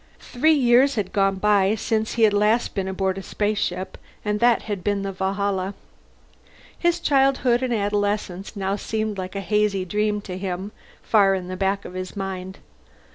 Three years had gone by since he last had been aboard a spaceship, and that had been the Valhalla. His childhood and adolescence now seemed like a hazy dream to him, far in the back of his mind.